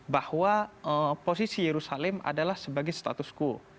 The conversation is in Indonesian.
bahwa posisi yerusalem adalah sebagai status quo